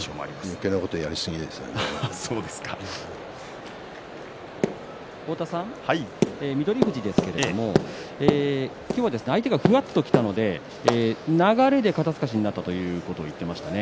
よけいなことを翠富士ですが今日は相手がふわっときたので流れで肩すかしにいったということを言っていました。